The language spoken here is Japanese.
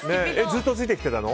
ずっとついてきてたの？